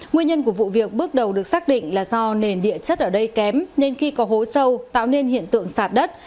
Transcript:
nguyên nhân của vụ việc bước đầu được xác định là do nền địa chất ở đây kém nên khi có hố sâu tạo nên hiện tượng sạt đất